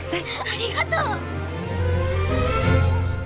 ありがとう！